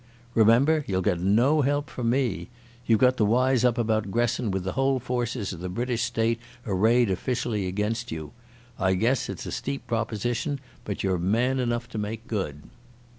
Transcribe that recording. Remember, you'll get no help from me. You've got to wise up about Gresson with the whole forces of the British State arrayed officially against you. I guess it's a steep proposition, but you're man enough to make good."